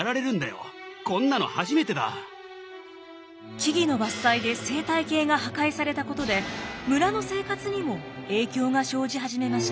木々の伐採で生態系が破壊されたことで村の生活にも影響が生じ始めました。